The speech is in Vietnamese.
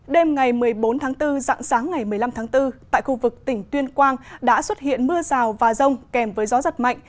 đêm ngày một mươi bốn tháng bốn dạng sáng ngày một mươi năm tháng bốn tại khu vực tỉnh tuyên quang đã xuất hiện mưa rào và rông kèm với gió giật mạnh